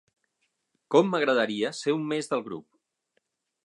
Com m'agradaria ser un més del grup!